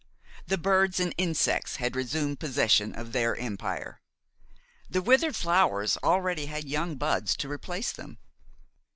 The birds and insects had resumed possession of their empire. The withered flowers already had young buds to replace them.